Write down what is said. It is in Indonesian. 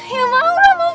ya maulah mau banget